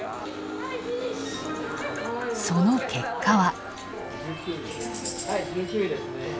その結果は。